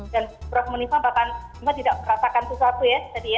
dan prof onisa bahkan cuma tidak merasakan itu satu ya tadi ya